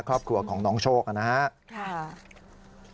ครอบครัวของน้องโชคนะครับ